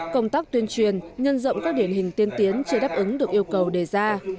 công tác tuyên truyền nhân rộng các điển hình tiên tiến chưa đáp ứng được yêu cầu đề ra